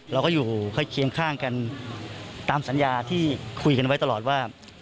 เราก็อยู่เคียงข้างกันตามสัญญาที่คุยกันไว้ตลอดว่า